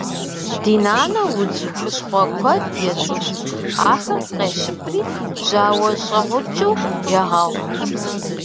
Ди нанэ удз хущхъуэ куэд ецӏыху. Ахэр къещыпри жьауэщӏэгъукӏыу егъэгъу.